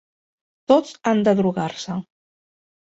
Tots han de drogar-se.